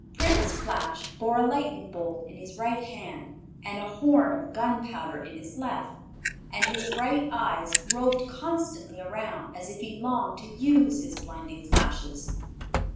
Prince Flash bore a lightning bolt in his right hand and a horn of gunpowder in his left, and his bright eyes roved constantly around, as if he longed to use his blinding flashes.